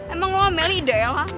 emang lu sama melly ide ya lah